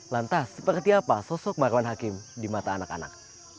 lantas seperti apa sosok marwan hakim di mata anak anak